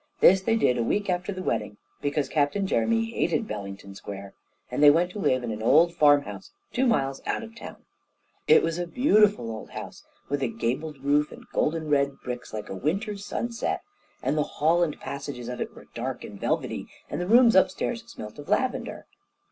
This they did a week after the wedding, because Captain Jeremy hated Bellington Square; and they went to live in an old farmhouse, two miles out of the town. It was a beautiful old house, with a gabled roof and golden red bricks like a winter sunset; and the hall and passages of it were dark and velvety, and the rooms upstairs smelt of lavender.